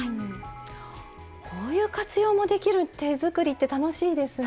こういう活用もできる手作りって楽しいですね。